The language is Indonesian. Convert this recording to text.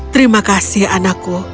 terima kasih anakku